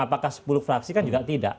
apakah sepuluh fraksi kan juga tidak